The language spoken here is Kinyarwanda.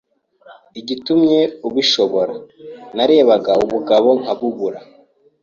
igitumye ubishobora, narebaga ubugabo nkabubura